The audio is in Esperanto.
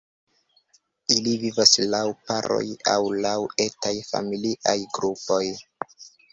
Ili vivas laŭ paroj aŭ laŭ etaj familiaj grupoj.